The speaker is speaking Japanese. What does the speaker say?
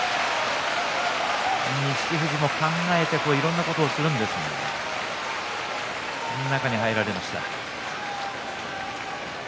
錦富士も考えていろんなことをするんですが中に入られました。